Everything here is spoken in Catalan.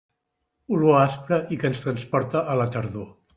Olor aspra i que ens transporta a la tardor.